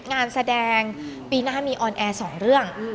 งานแสดงปีหน้ามีออนแอร์๒เรื่อง